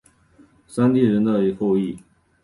山地人的后裔。